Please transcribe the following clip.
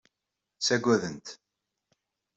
Ttagaden-t.